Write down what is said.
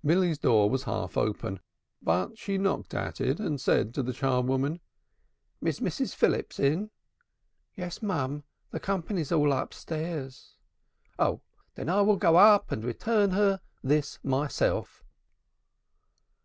Milly's door was half open, but she knocked at it and said to the char woman: "Is Mrs. Phillips in?" "Yes, mum, the company's all upstairs." "Oh, then I will go up and return her this myself."